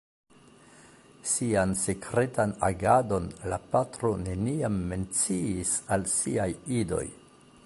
Sian sekretan agadon la patro neniam menciis al siaj idoj.